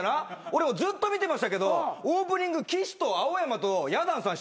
俺ずっと見てましたけどオープニング岸と青山とや団さん